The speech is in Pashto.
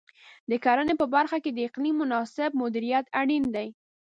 د کرنې په برخه کې د اقلیم مناسب مدیریت اړین دی.